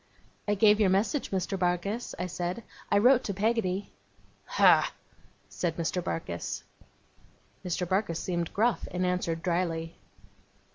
'I gave your message, Mr. Barkis,' I said: 'I wrote to Peggotty.' 'Ah!' said Mr. Barkis. Mr. Barkis seemed gruff, and answered drily.